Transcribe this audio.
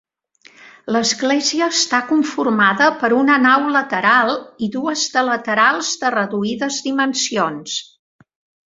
L'església està conformada per una nau lateral i dues de laterals de reduïdes dimensions.